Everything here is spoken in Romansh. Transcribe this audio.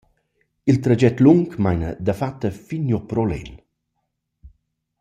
Il traget lung maina dafatta fin giò pro l’En.